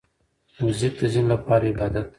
موزیک د ځینو لپاره عبادت دی.